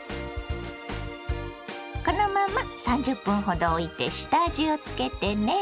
このまま３０分ほどおいて下味をつけてね。